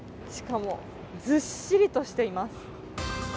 しかもずっしりとしています。